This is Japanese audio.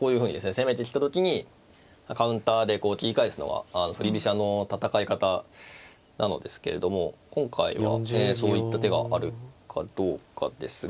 攻めてきた時にカウンターでこう切り返すのは振り飛車の戦い方なのですけれども今回はそういった手があるかどうかですが。